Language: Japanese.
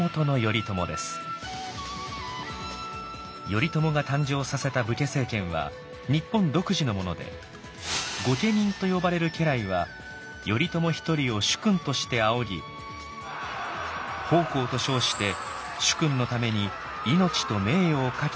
頼朝が誕生させた武家政権は日本独自のもので御家人と呼ばれる家来は頼朝一人を主君として仰ぎ「奉公」と称して主君のために命と名誉をかけて戦います。